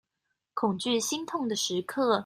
恐懼心痛的時刻